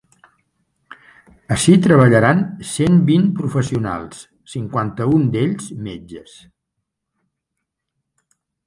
Ací treballaran cent vint professionals, cinquanta-un d’ells metges.